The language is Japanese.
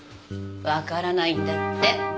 分からないんだって。